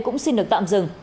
cũng xin được tạm dừng